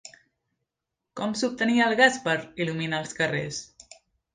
Com s'obtenia el gas per il·luminar els carrers?